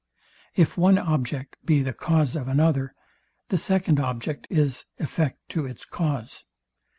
If one object be the cause of another, the second object is effect to its cause.